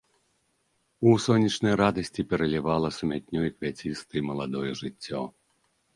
У сонечнай радасці пералівала сумятнёй квяцістай маладое жыццё.